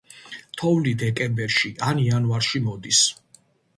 თოვლი დეკემბერში ან იანვარში მოდის.